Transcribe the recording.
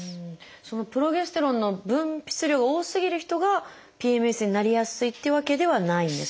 そのプロゲステロンの分泌量が多すぎる人がＰＭＳになりやすいっていうわけではないんですか？